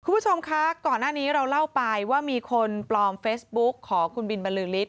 คุณผู้ชมคะก่อนหน้านี้เราเล่าไปว่ามีคนปลอมเฟซบุ๊กของคุณบินบรรลือฤท